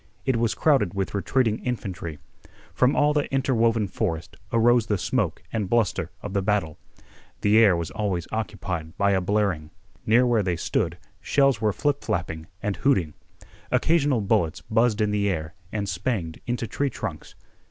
It was crowded with retreating infantry. From all the interwoven forest arose the smoke and bluster of the battle. The air was always occupied by a blaring. Near where they stood shells were flip flapping and hooting. Occasional bullets buzzed in the air and spanged into tree trunks.